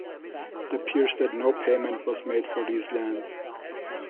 It appears that no payment was made for these lands.